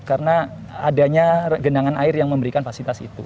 karena adanya genangan air yang memberikan fasilitas itu